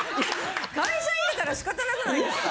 会社員だから仕方なくないですか。